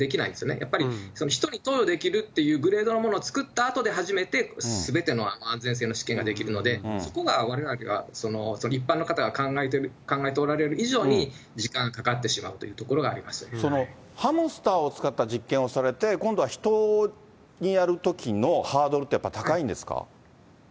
やっぱり人に投与できるっていうグレードのものを作ったあとで初めてすべての安全性の試験ができるので、そこがわれわれは、一般の方が考えておられる以上に時間がかかってしまうというところがハムスターを使った実験をされて、今度は人にやるときのハードルって、やっぱ高いんですか。